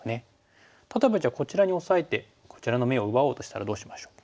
例えばじゃあこちらにオサえてこちらの眼を奪おうとしたらどうしましょう？